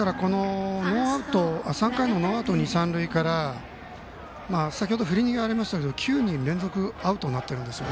３回のノーアウト二、三塁から先ほど振り逃げがありましたが９人連続でアウトになっています。